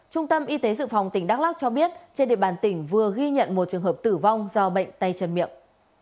trung tâm y tế dự phòng tỉnh đắk lắc cho biết trên địa bàn tỉnh vừa ghi nhận một trường hợp tử vong do bệnh tay chân miệng